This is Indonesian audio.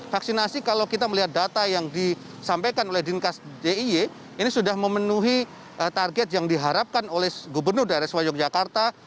vaksinasi kalau kita melihat data yang disampaikan oleh dinkas j iy ini sudah memenuhi target yang diharapkan oleh gubernur daerah iswa yogyakarta